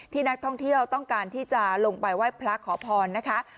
นักท่องเที่ยวต้องการที่จะลงไปไหว้พระขอพรนะคะ